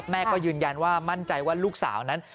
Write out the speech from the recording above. แม่ก็ยืนยันว่ามั่นใจว่าลูกสาวนั้น